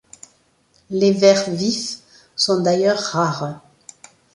Les verts vifs sont d'ailleurs rares.